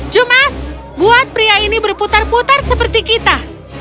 cuma buat pria ini berputar putar seperti kita